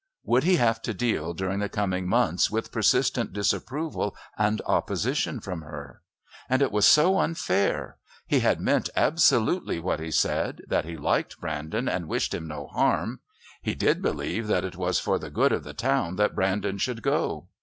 Would he have to deal, during the coming months, with persistent disapproval and opposition from her? And it was so unfair. He had meant absolutely what he said, that he liked Brandon and wished him no harm. He did believe that it was for the good of the town that Brandon should go....